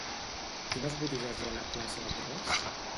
Quines botigues hi ha a la plaça de Borràs?